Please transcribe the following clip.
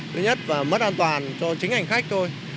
thứ nhất là mất an toàn cho chính hành khách thôi